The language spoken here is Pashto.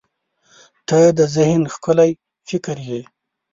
• ته د ذهن ښکلي فکر یې.